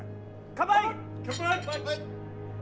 ・乾杯！